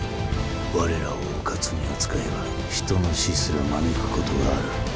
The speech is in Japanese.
我らをうかつに扱えば人の死すら招くことがある。